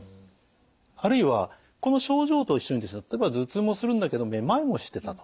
あるいはこの症状と一緒に例えば頭痛もするんだけどめまいもしてたと。